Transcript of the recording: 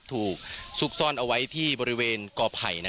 ไม่ขึ้นนะครับถูกซุกซ่อนเอาไว้ที่บริเวณเกาะไผ่นะ